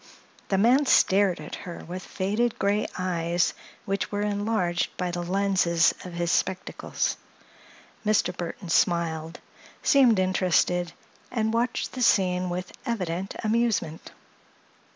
The man stared at her with faded gray eyes which were enlarged by the lenses of his spectacles. Mr. Burthon smiled, seemed interested, and watched the scene with evident amusement.